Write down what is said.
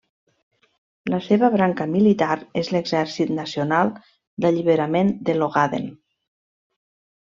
La seva branca militar és l'Exèrcit Nacional d'Alliberament de l'Ogaden.